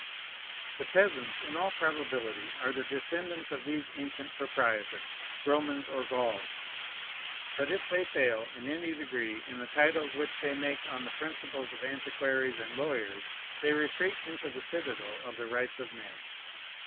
The peasants, in all probability, are the descendants of these ancient proprietors, Romans or Gauls. But if they fail, in any degree, in the titles which they make on the principles of antiquaries and lawyers, they retreat into the citadel of the rights of men.